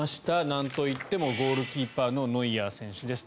なんといってもゴールキーパーのノイアー選手です。